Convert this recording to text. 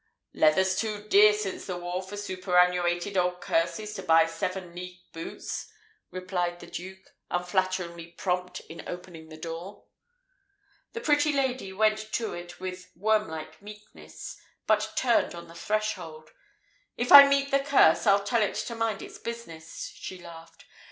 "Leather's too dear since the war for superannuated old curses to buy seven league boots," replied the Duke, unflatteringly prompt in opening the door. The pretty lady went to it with wormlike meekness, but turned on the threshold. "If I meet the Curse, I'll tell it to mind its business," she laughed.